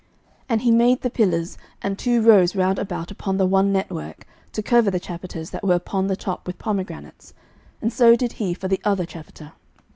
11:007:018 And he made the pillars, and two rows round about upon the one network, to cover the chapiters that were upon the top, with pomegranates: and so did he for the other chapiter.